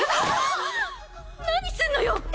・何すんのよ